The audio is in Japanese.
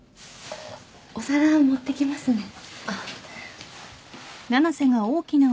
お皿持ってきますね。